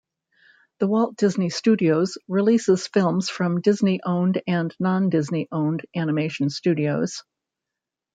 The Walt Disney Studios releases films from Disney-owned and non-Disney owned animation studios.